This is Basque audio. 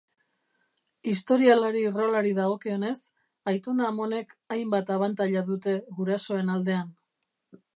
Historialari-rolari dagokionez, aitona-amonek hainbat abantaila dute gurasoen aldean.